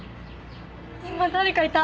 今誰かいた。